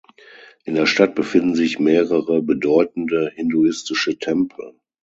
In der Stadt befinden sich mehrere bedeutende hinduistische Tempel.